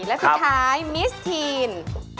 และสุดท้ายมิสทีน